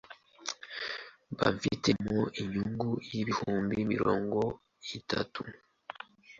mba mfitemo inyungu y’ibihumbi mirongo itatu